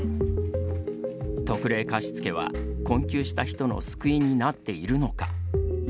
特例貸付は、困窮した人の救いになっているのか。